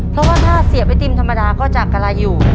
เพราะว่าถ้าเสียไปติมธรรมดาก็จะกะลาอยู่